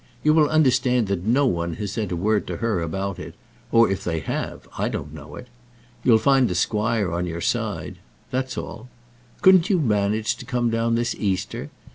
You will understand that no one has said a word to her about it; or, if they have, I don't know it. You'll find the squire on your side, that's all. Couldn't you manage to come down this Easter?